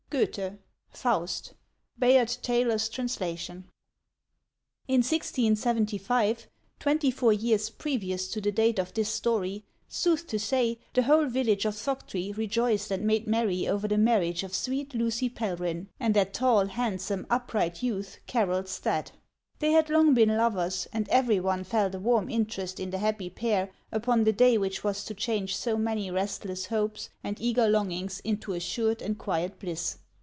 GOETHE : Faust, Bayard Taylor's Translation. IX 1675, twenty four years previous to the date of this story, sooth to say, the whole village of Thoctree rejoiced and made merry over the marriage of sweet Lucy Pelryhn and that tall, handsome, upright youth, Carroll Stadt, They had long been lovers, and every one felt a warm interest in the happy pair upon the day which was to change so many restless hopes and eager longings into assured and quiet bliss.